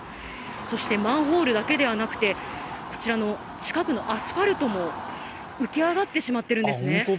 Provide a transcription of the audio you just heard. そしてマンホールだけではなくて、こちらの近くのアスファルトも、浮き上がってしまっているんですね。